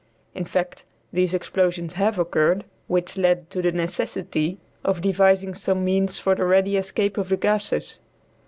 In fact, these explosions have occurred, which led to the necessity of devising some means for the ready escape of the gases.